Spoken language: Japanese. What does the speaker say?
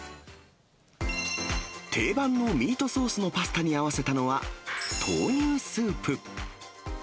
定番のミートソースのパスタに合わせたのは豆乳スープ。